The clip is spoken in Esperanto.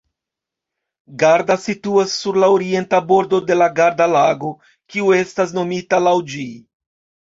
Garda situas sur la orienta bordo de la Garda-Lago, kiu estas nomita laŭ ĝi.